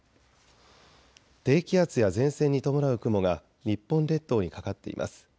低気圧や前線に伴う雲が日本列島にかかっています。